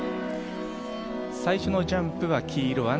最初のジャンプは黄色。